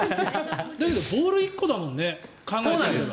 だけど、ボール１個だもんね考えてみれば。